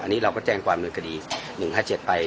อันนี้เราก็แจ้งกับความเมื่อกดี๑๕๗ไป